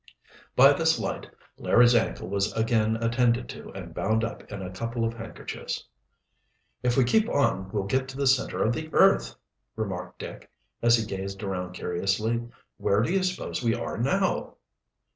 By this light Larry's ankle was again attended to and bound up in a couple of handkerchiefs. "If we keep on we'll get to the center of the earth," remarked Dick, as he gazed around curiously. "Where do you suppose we are now?"